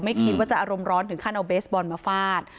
ไม่คิดว่าจะอารมณ์ร้อนถึงขั้นเอาเบสบอลมาฟาด